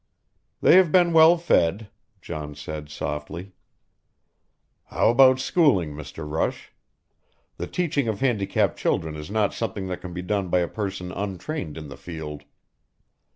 "They have been well fed," John said softly. "How about schooling, Mr. Rush? The teaching of handicapped children is not something that can be done by a person untrained in the field."